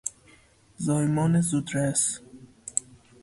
زایمان زودرس